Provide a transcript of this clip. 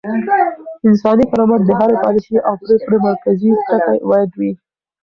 انساني کرامت د هرې پاليسۍ او پرېکړې مرکزي ټکی بايد وي.